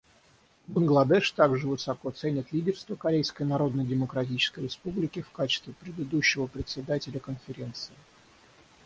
Бангладеш также высоко ценит лидерство Корейской Народно-Демократической Республики в качестве предыдущего Председателя Конференции.